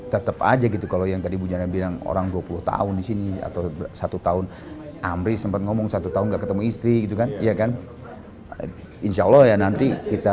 tidak ada satu fungsi pun yang paling dominan diantara yang lain